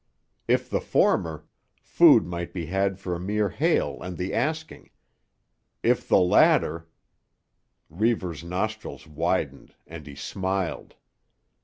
If the former, food might be had for a mere hail and the asking; if the latter—Reivers's nostrils widened and he smiled.